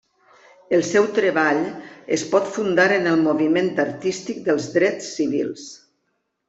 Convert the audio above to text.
El seu treball es pot fundar en el moviment artístic dels drets civils.